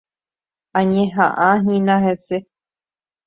Añeha'ãhína hese.